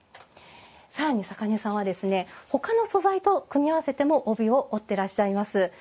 さらに、坂根さんはほかの素材と組み合わせても帯を織ってらっしゃいます。